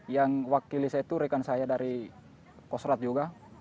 yang wakilis itu rekan saya dari kosrat juga